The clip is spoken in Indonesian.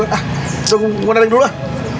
ah itu gue naik dulu ah